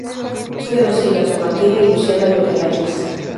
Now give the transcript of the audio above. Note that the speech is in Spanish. Tiene dos hijas, Martina y Luciana Miravalles.